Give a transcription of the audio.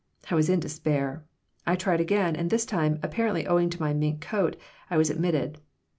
I was in despair. I tried again, and this time, apparently owing to my mink coat, I was admitted.